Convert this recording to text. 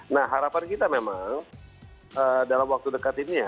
nah harapan kita memang dalam waktu dekat ini ya